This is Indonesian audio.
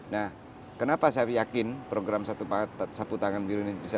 nah kenapa saya yakin program sapu tangan biru ini bisa